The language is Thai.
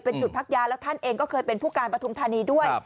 เป็นจุดพักยาแล้วท่านเองก็เคยเป็นผู้การปฐุมธานีด้วย